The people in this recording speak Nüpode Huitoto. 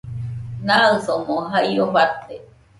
Naɨsomo jaio fate